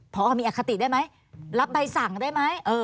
พอมีอคติได้ไหมรับใบสั่งได้ไหม